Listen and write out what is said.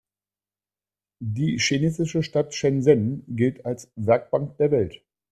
Die chinesische Stadt Shenzhen gilt als „Werkbank der Welt“.